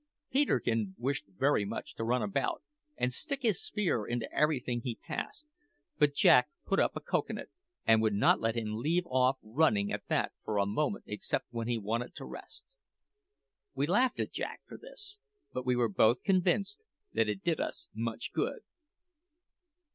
Peterkin wished very much to run about and stick his spear into everything he passed; but Jack put up a cocoa nut, and would not let him leave off running at that for a moment except when he wanted to rest. We laughed at Jack for this, but we were both convinced that it did us much good.